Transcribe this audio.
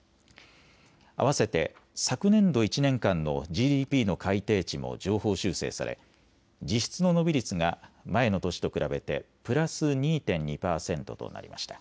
あわせて昨年度１年間のＧＤＰの改定値も上方修正され実質の伸び率が前の年と比べてプラス２．２％となりました。